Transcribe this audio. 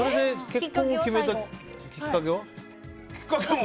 結婚を決めたきっかけは？